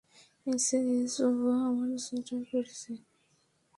MS, ও আমার sweater পরেছে।